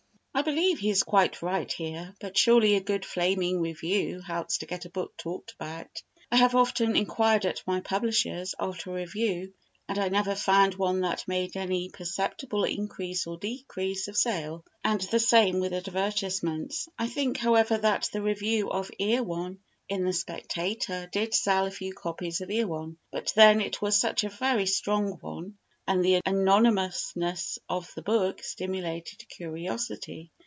I believe he is quite right here, but surely a good flaming review helps to get a book talked about. I have often inquired at my publishers' after a review and I never found one that made any perceptible increase or decrease of sale, and the same with advertisements. I think, however, that the review of Erewhon in the Spectator did sell a few copies of Erewhon, but then it was such a very strong one and the anonymousness of the book stimulated curiosity.